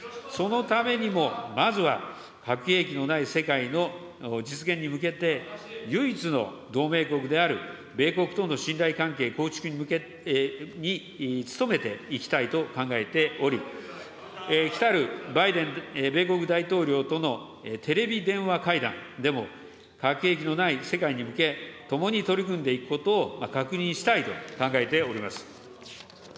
そのためにも、まずは核兵器のない世界の実現に向けて、唯一の同盟国である米国との信頼関係構築に努めていきたいと考えており、来たるバイデン米国大統領とのテレビ電話会談でも、核兵器のない世界に向け、共に取り組んでいくことを確認したいと考えております。